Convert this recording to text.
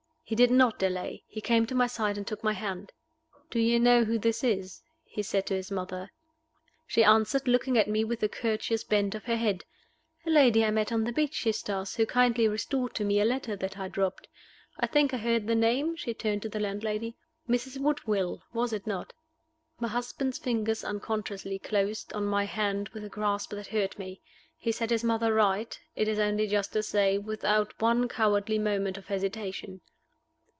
He did not delay. He came to my side and took my hand. "Do you know who this is?" he said to his mother. She answered, looking at me with a courteous bend of her head: "A lady I met on the beach, Eustace, who kindly restored to me a letter that I dropped. I think I heard the name" (she turned to the landlady): "Mrs. Woodville, was it not?" My husband's fingers unconsciously closed on my hand with a grasp that hurt me. He set his mother right, it is only just to say, without one cowardly moment of hesitation.